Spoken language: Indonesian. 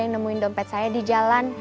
aku ada pilgrim lah